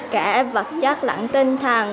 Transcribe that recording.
cả vật chất lãng tinh thần